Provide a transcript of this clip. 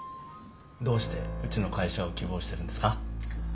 どうしてうちの会社を希望してるんですか？